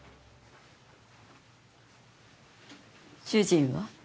主人は？